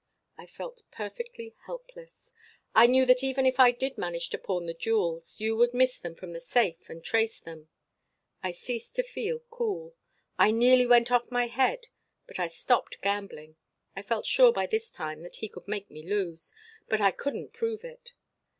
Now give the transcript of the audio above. "I felt perfectly helpless. I knew that even if I did manage to pawn the jewels, you would miss them from the safe and trace them. I ceased to feel cool. I nearly went off my head. But I stopped gambling. I felt sure by this time that he could make me lose, but I couldn't prove it.